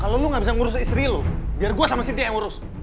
kalau lu gak bisa ngurus istri lu biar gue sama sinti yang urus